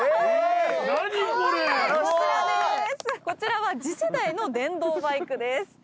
こちらです。